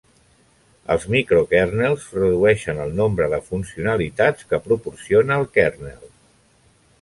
Els microkernels redueixen el nombre de funcionalitats que proporciona el kernel.